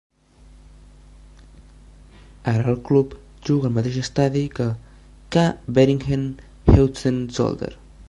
Ara el club juga al mateix estadi que K. Beringen-Heusden-Zolder.